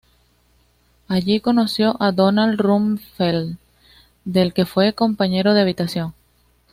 Allí conoció a Donald Rumsfeld del que fue compañero de habitación.